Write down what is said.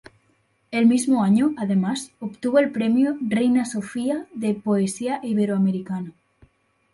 El mismo año, además, obtuvo el "Premio Reina Sofía de Poesía Iberoamericana".